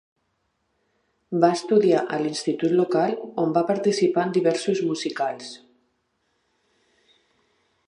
Va estudiar a l'institut local, on va participar en diversos musicals.